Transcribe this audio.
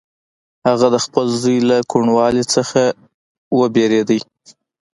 هغه د خپل زوی له کوڼوالي څخه وېرېده.